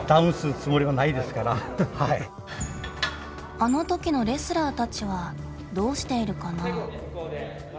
あのときのレスラーたちはどうしているかな？